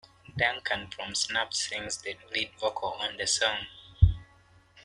Duncan from Snuff sings the lead vocal on the song.